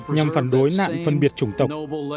nạn phân biệt chủng tộc